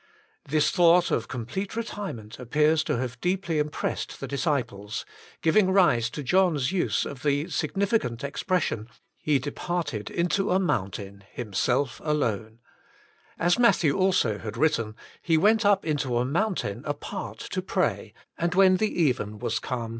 This thought of com plete retirement appears to have deeply im pressed the disciples, giving rise to John's use of the significant expression, "He departed into a mountain Himself Alone," as Matthew also had written, "He went up into a mountain apart to pray, and when the even was come.